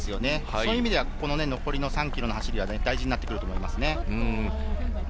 そういう意味では残りの３ｋｍの走りは大事なってくると思います。